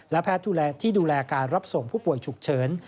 และแพทย์ที่ดูแลการรับส่งผู้ป่วยฉุกเฉิน